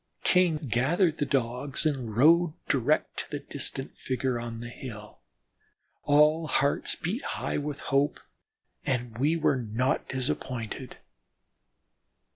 King gathered the Dogs and rode direct to the distant figure on the hill. All hearts beat high with hope, and we were not disappointed.